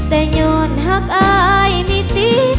แต่ย้อนหักอายนิติ